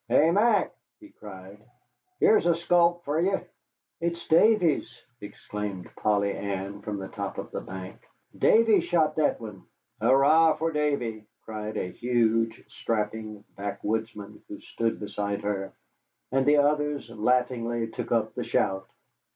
"Ay, Mac," he cried, "here's a sculp for ye." "It's Davy's," exclaimed Polly Ann from the top of the bank; "Davy shot that one." "Hooray for Davy," cried a huge, strapping backwoodsman who stood beside her, and the others laughingly took up the shout.